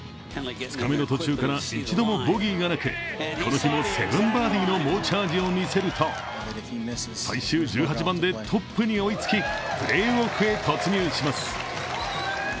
２日目の途中から一度もボギーがなく、この日も７バーディーの猛チャージを見せると、最終１８番でトップに追いつきプレーオフへ突入します。